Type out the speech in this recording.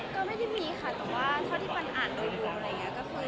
ก็ไม่ได้มีค่ะแต่ว่าเท่าที่ขวัญอ่านเราอยู่อะไรอย่างนี้